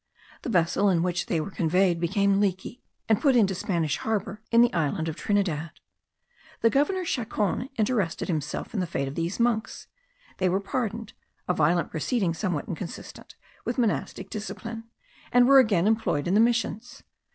The vessel in which they were conveyed became leaky, and put into Spanish Harbour in the island of Trinidad. The governor Chacon intereated himself in the fate of the monks; they were pardoned a violent proceeding somewhat inconsistent with monastic discipline, and were again employed in the missions.